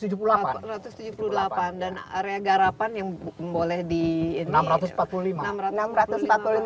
jadi ada garapan yang boleh di ini